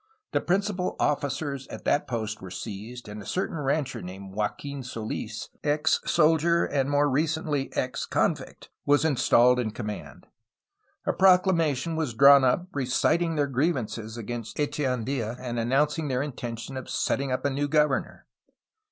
The principal officers at that post were seized, and a cer tain rancher named Joaquin Soils, ex soldier and more re cently ex convict, was installed in command. A proclama tion was drawn up reciting their grievances against Echean dla and announcing their intention of setting up a new gov ernor.